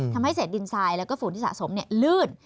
ทำให้เศษดินทรายแล้วก็ฝุ่นที่สะสมลื่น